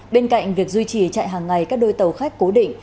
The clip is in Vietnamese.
bên cạnh việc duy trì chạy hàng ngày các đôi tàu khách cố định